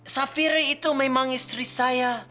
safiri itu memang istri saya